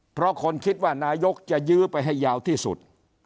เพราะคนคิดว่านายกจะยื้อไปให้ยาวที่สุด